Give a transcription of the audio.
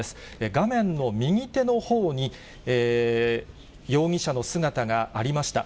画面の右手のほうに、容疑者の姿がありました。